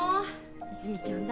泉実ちゃん